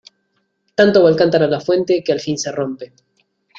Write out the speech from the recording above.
Tanto va el cántaro a la fuente que al fin se rompe.